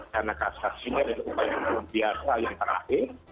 karena kasasinya adalah upaya yang biasa yang terakhir